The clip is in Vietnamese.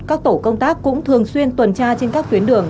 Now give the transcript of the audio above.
các tổ công tác cũng thường xuyên tuần tra trên các tuyến đường